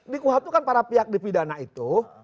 di kuhap itu kan para pihak di pidana itu